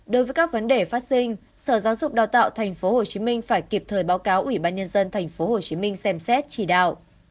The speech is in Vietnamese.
đối với các vấn đề phát sinh sở giáo dục đào tạo tp hcm phải kịp thời báo cáo ủy ban nhân dân tp hcm xem xét chỉ đạo